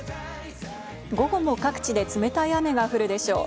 午後も各地で冷たい雨が降るでしょう。